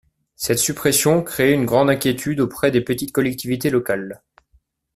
Cette suppression crée une grande inquiétude auprès des petites collectivités locales.